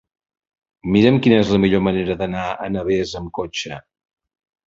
Mira'm quina és la millor manera d'anar a Navès amb cotxe.